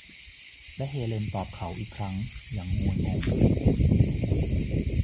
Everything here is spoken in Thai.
และเฮเลนตอบเขาอีกครั้งอย่างงวยงง